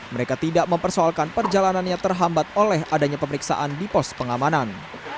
mereka tidak mempersoalkan perjalanannya terhambat oleh adanya pemeriksaan di pos pengamanan